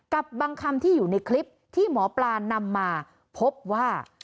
กับบางคำที่อยู่ในคลิปที่หมอปลานำมาพบว่า